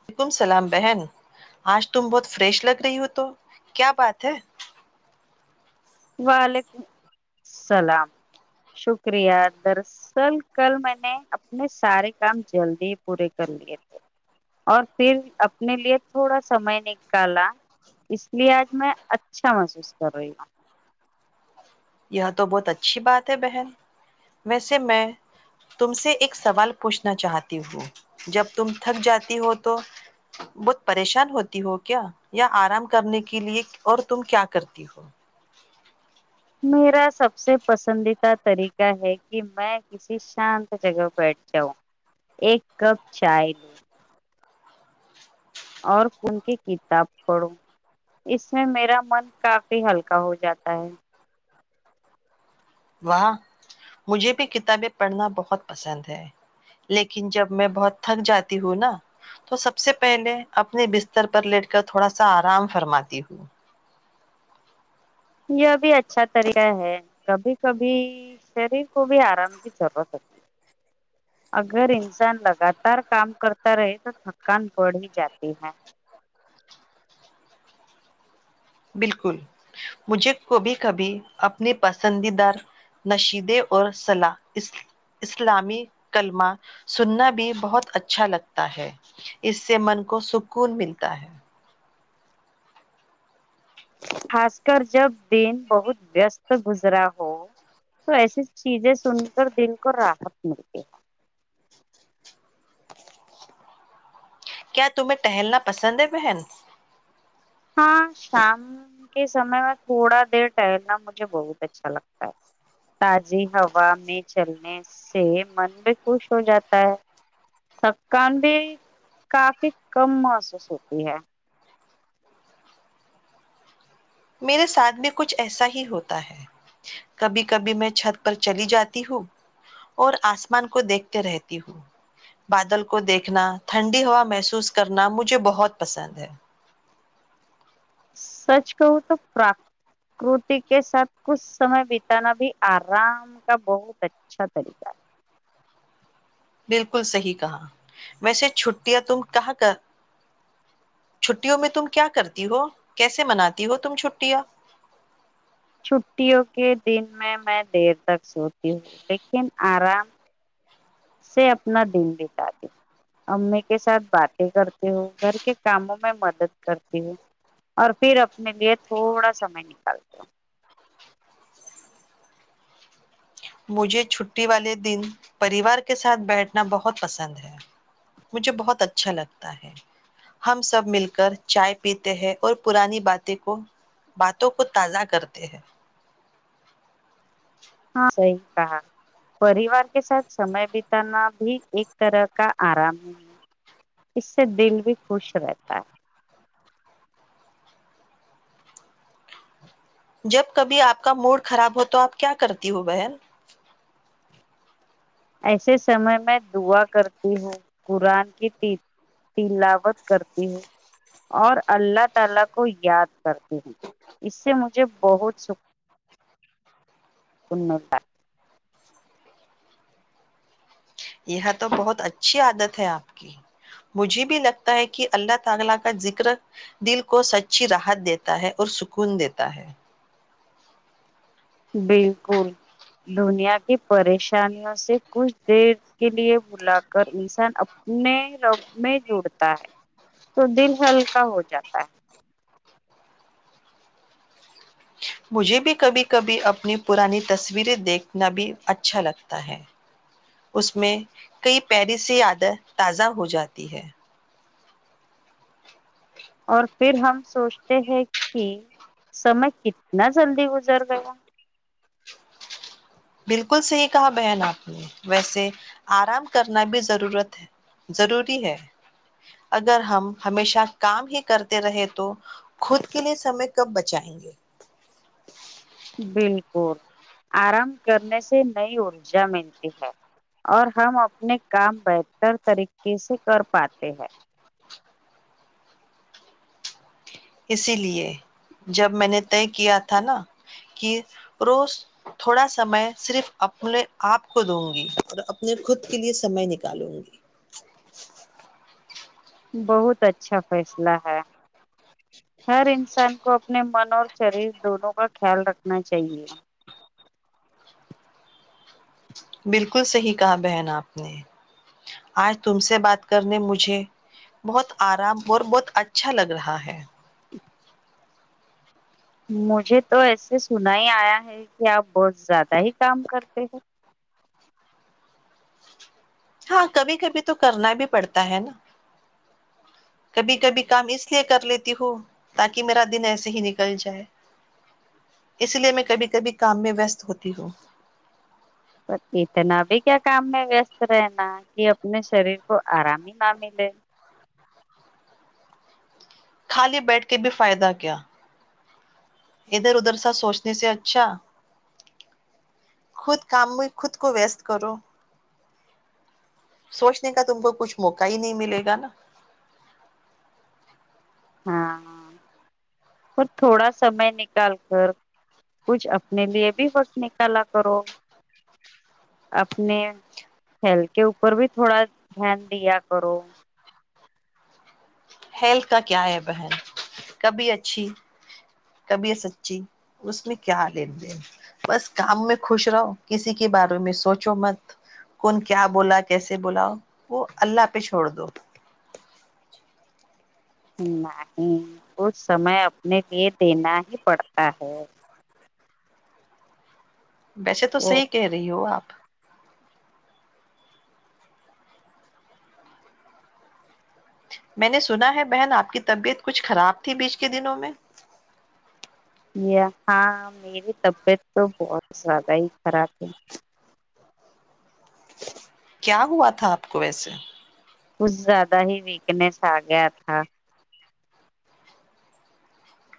وعلیکم اللام بہن آج تم بہت فریش لگ رہی ہو تو کیا بات ہے [unintelligible] وعلیکم السلام شکریہ درصل کل میں نے اپنے سارے کام جلدی پورے کر لیے تھے اور پھر اپنے لیے تھوڑا سمئے نکالا اس لیے آج میں اچھا محسوس کر رہی ہوں [unintelligible] یہ تو بہت اچھی بات ہے بہن ویسے میں تم سے ایک سوال پوچھنا چاہتی ہوں جب تم تھک جاتی ہو تو بہت پریشان ہوتی ہو کیا یا آرام کرنے کے لیے اور تم کیا کرتی ہو میرا سب سے پسندیدہ طریقہ ہے کہ میں کسی شانت جگہ بیٹھ جاؤں ایک کپ چائے لوں [unintelligible] اور ان کی کتاب پڑھوں اس میں میرا من کافی ہلکا ہو جاتا ہے [unintelligible] وہاہ مجھے بھی کتابیں پڑھنا بہت پسند ہے لیکن جب میں بہت تھک جاتی ہوں نا تو سب سے پہلے اپنے بستر پر لیٹ کر تھوڑا سا آرام فرماتی ہوں یہ بھی اچھا طریقہ ہے کبھی کبھی شریر کو بھی آرام کی ضرورت ہوتی ہے اگر انسان لگاتار کام کرتا رہے تو تھکان بڑھ ہی جاتی ہے [unintelligible] بالکل مجھے کبھی کبھی اپنی پسندیدہ نشیدے اور سلا اس اسلامی کلمہ سننا بھی بہت اچھا لگتا ہے اس سے من کو سکون ملتا ہے خاص کر جب دن بہت ویستست گزرا ہو تو ایسی چیزیں سن [unintelligible] ر دن کو رحت مل [unintelligible] کیا تمہیں ٹہلنا پسند ہے بہن ہاں شام کے سمے میں تھوڑا دیر ٹہلنا مجھے بہت اچھا لگتا ہے تازی ہوا میں چلنے سے من بھی خوش ہو جاتا ہے تھککان بھی کافی کم محسوس ہوتی ہے [unintelligible] میرے ساتھ بھی کچھ ایسا ہی ہوتا ہے کبھی کبھی میں چھت پر چلی جاتی ہوں اور آسمان کو دیکھتے رہتی ہوں بادل کو دیکھنا ٹھنڈی ہوا محسوس کرنا مجھے بہت پسند ہے سچ کہو تو پراکرتی کے ساتھ کچھ سمے بتانا بھی آرام کا بہت اچھا طریقہ ہے [unintelligible] بالکل صحیح کہا ویسے چھٹیاں تم کہاں کر چھٹیوں میں تم کیا کرتی ہو کیسے مناتی ہو تم چھٹیاں چھٹیوں کے دن میں میں د [unintelligible] تک سوتی ہو لیکن [unintelligible] آرام [unintelligible] سے اپنا دن بتای ہ امی کے ساتھ باتیں کرتی ہ گھر کے کاموں میں مدد کرتی ہو اور پھر اپنے لیے تھوڑا سمئے نکالتے ہو [unintelligible] مجھے چھٹی والے دن پریوار کے ساتھ بیٹھنا بہت پسند ہے مجھے بہت اچھا لگتا ہے ہم سب مل کر چائے پیتے ہیں اور پرانی باتیں کو باتوں کو تازہ کرتے ہیں [unintelligible] ہاں صحیح کہا پریوار کے ساتھ سمے بتانا بھی ایک طرح کا آرام نہیں ہے اس سے دل بھی خوش رہتا ہے [unintelligible] جب کبھی اپ کا موڈ خراب ہو تو اپ کیا کرتی ہو بہن [unintelligible] یہاں تو بہت اچھی عادت ہے اپ کی مجھے بھی لگتا ہے کہ اللہ تعالی کا ذکر دل کو سچی راحت دیتا ہے اور سکون دیتا ہے بالکل [unintelligible] دنیا کی پریشانیوں سے کچھ دیر کے لیے بلا کر انسان اپنے رب میں جڑتا ہے تو دل ہلکا ہو جاتا ہے [unintelligible] مجھے بھی کبھی کبھی اپنی پرانی تصویریں دیکھنا بھی اچھا لگتا ہے اس میں کئی پیرسی عیادت تازہ ہو جاتی ہے اور پھر ہم سوچتے ہیں کہ سمے کتنا جلدی گزر گیا [unintelligible] بالکل صحیح کہا بہن آپ نے ویسے آرام کرنا بھی ضرورت ہے ضروری ہے اگر ہم ہمیشہ کام ہی کرتے رہے تو خود کے لیے سمے کب بچائیں گے بالکل آرام کرنے سے نئی ارجا ملتی ہے اور ہم اپنے کام بہتر طریقے سے کر پاتے ہیں اسی لیے جب میں نے طے کیا تھا نا کہ روز تھوڑا سمئے صرف اپنے آپ کو دوں گی اور اپنے خود کے لیے سمئے نکالوں گی بہت اچھا فیصلہ ہے ہر انسان کو اپنے من اور شریر دونوں کا خیال رکھنا چاہیے بالکل صحیح کہا بہن آپ نے آج تم سے بات کرنے مجھے بہت آرام اور بہت اچھا لگ رہا ہے مجھے تو ایسے سنا ہی آیا ہے کہ آپ بہت زیادہ ہی کام کرتے ہیں ہاں کبھی کبھی تو کرنا بھی پڑتا ہے نا کبھی کبھی کام اس لیے کر لیتی ہوں تاکہ میرا دن ایسے ہی نکل جائے اس لیے میں کبھی کبھی کام میں ویست ہوتی ہوں اتنا بھی کیا کام میں ویست رہناا کہ اپنے شریر کو آرام ہی نہ ملے خالی بیٹھ کے بھی فائدہ کیا ادھر ادھر سا سوچنے سے اچھا خود کام میں خود کو ویستست کرو سوچنے کا تم کو کچھ موقع ہی نہیں ملے گا نا ہاں تو تھوڑا سمئے نکال کر کچھ اپنے لیے بھی وقت نکالا کرو اپنے ہیل کے اوپر بھی تھوڑا دھیان دیا کرو ہیلتھ کا کیا ہے بہن کبھی اچھی کبھی سچی اس میں کیا لین دین بس کام میں خوش رہو کسی کے بارے میں سوچو مت کون کیا بولا کیسے بولاؤ وہ اللہ پہ چھوڑ دو نہیں ک سمے اپنے لیے دینا ہی پڑتا ہے ویسے تو وہ صحیح کہہ رہی ہو آپ میں نے سنا ہے بہن آپ کی طبیعت کچھ خراب تھی بیچ کے دنوں میں ہاں میری طبیعت تو بہت زیادہ ہی خراب ہےھی کیا ہوا تھا آپ کو ویسے کچھ زیادہ ہی ویکنیس آ گیا تھا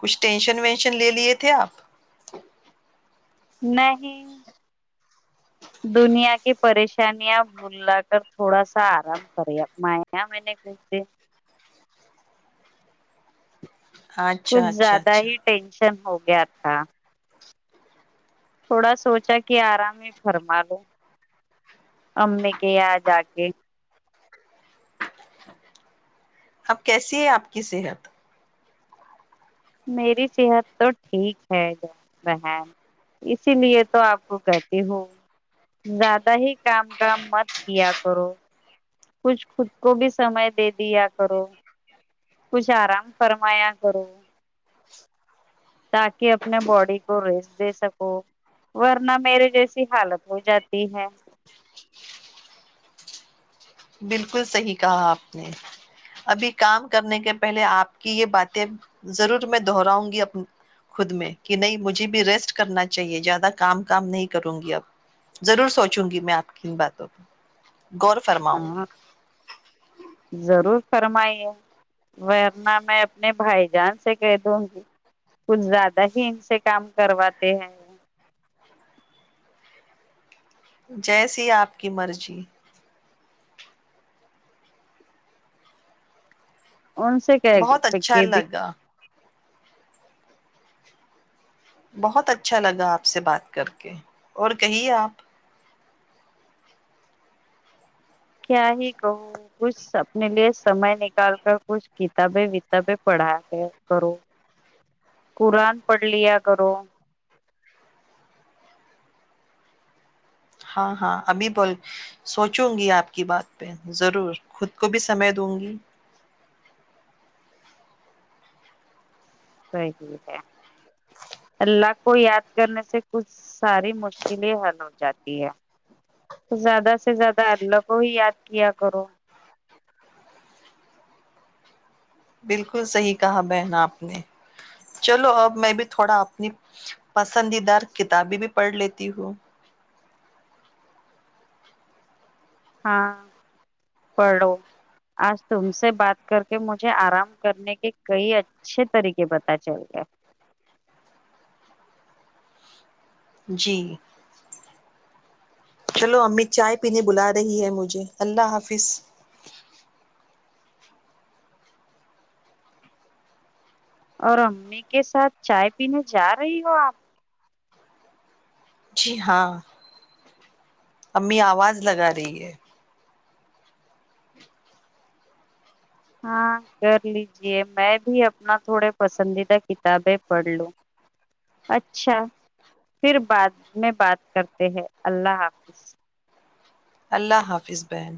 کچھ ٹینشن وینشن لے لیے تھے آپ نہیں دنیا کی پریشانیاں بھوللا کر تھوڑا سا آرام کرے اپنا میں نے گ سے اچھا کچھ اچھا زیادہ اچھا ہی ٹینشن ہو گیا تھا تھوڑا سوچا کہ آرام میں فرما لو اممی کے یہاں جا کے اب کیسی ہے آپ کی صحت میری صحت تو ٹھیک ہے بہن اسی لیے تو آپ کو کہتی ہوں زیادہ ہی کام کام مت کیا کرو کچھ خود کو بھی سمے دے دیا کرو کچھ آرام فرمایا کرو تاکہ اپنے باڈی کو ریسٹ دے سکو ورنہ میرے جیسی حالت ہو جاتی ہے بالکل صحیح کہا آپ نے ابھی کام کرنے کے پہلے آپ کی یہ باتیں ضرور میں دہراؤں گی خود میں کہ نہیں مجھے بھی ریسٹ کرنا چاہیے زیادہ کام کام نہیں کروں گی اب ضرور سوچوں گی میں آپ کی ان باتوں کو گغور فرماؤں ہاں ضرورور فرمائیے ورنہ میں اپنے بھائی جان سے کہہ دوں گی کچھ زیادہ ہی ان سے کام کرواتے ہیں جیسی آپ کی مرضی ان سے کیا بہت اچھا پ لگا بہت اچھا لگا آپ سے بات کر کے اور کہیے آپ کیا ہی کہوں کچھ اپنے لیے سمئے نکال کر کچھ کتابیں وتابیں پڑھا کر کرو قرآن پڑھ لیا کرو ہاں ہاں ابھی بول سوچوں گی آپ کی بات پہ ضرور خود کو بھی سمے دوں گی صحی ہے اللہ کو یاد کرنے سے کچھ ساری مشکلیں حل ہو جاتی ہے زیادہ سے زیادہ اللہ کو ہی یاد کیا کرو بالکل صحیح کہا بہن آپ نے چلو اب میں بھی تھوڑا اپنی پسندیدہ کتابیں بھی پڑھ لیتی ہوں ہاں پڑھو آج تم سے بات کر کے مجھے آرام کرنے کے کئی اچھے طریقے پتا چل گئے جی چلو امی چائے پینے بلا رہی ہے مجھے اللہ حافظ اور امی کے ساتھ چائے پینے جا رہی ہو آپ جی ہاں امی آواز لگا رہی ہے ہاں کر لیجے میں بھی اپنا تھوڑے پسندیدہ کتابیں پڑھ لوں اچھا پھر بعد میں بات کرتے ہیں اللہ حافظ اللہ حافظ بن